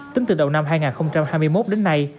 tính từ đầu năm hai nghìn hai mươi một đến nay